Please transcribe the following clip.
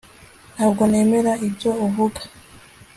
Ntabwo nemera ibyo uvuga